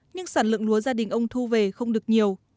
nhưng sản lượng lúa gia đình ông thu về không được nhiều